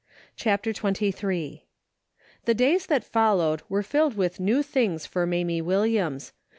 CHAPTER XXIIL The days that followed were filled with new things for Mamie Williams.